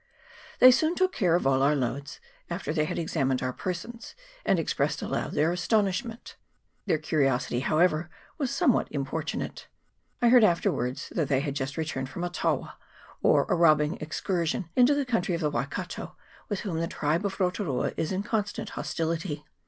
They soon took care of all our loads, after they had examined our persons and expressed aloud their astonishment. Their curiosity, however, was somewhat importunate. I heard afterwards that they had just returned from CHAP. XXVI.J LAKE OF KAREKA. 387 a taua, or a robbing excursion, into the country of the Waikato, with whom the tribe of Rotu rua is in constant hostility.